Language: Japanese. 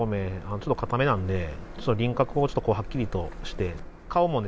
ちょっと硬めなので輪郭をはっきりとして顔もね